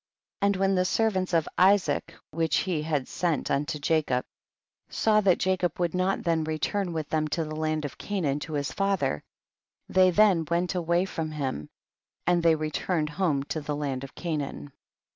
29. And when the servants of Isaac which he had sent unto Jacob saw that Jacob would not then re turn with them to the land of Canaan to his father, they then went away from him, and they returned home^ to the land of Canaan..